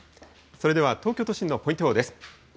それでは東京都心のポイント予報です。